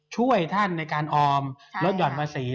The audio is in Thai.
ช่วยท่านในการออมลดห่อนภาษี